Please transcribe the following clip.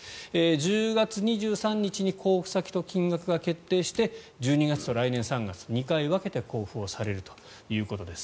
１０月２３日に交付先と金額が決定して１２月と来年３月、２回分けて交付されるということです。